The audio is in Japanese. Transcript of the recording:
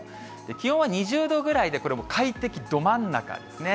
気温は２０度ぐらいで、これもう快適ど真ん中ですね。